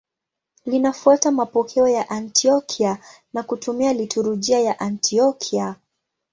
Linafuata mapokeo ya Antiokia na kutumia liturujia ya Antiokia.